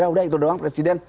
ya udah itu doang presiden